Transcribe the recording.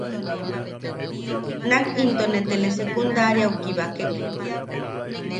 Nak into ne telesecundariau kibakek.